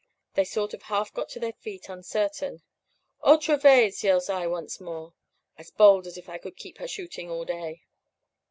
They sort of half got to their feet uncertain. "'Otra vez!' yells I once more, as bold as if I could keep her shooting all day.